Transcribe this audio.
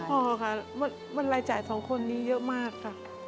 พอค่ะวันรายจ่ายสองคนนี้เยอะมากค่ะ